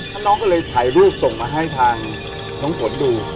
แล้วน้องก็เลยถ่ายรูปส่งมาให้ทางน้องฝนดู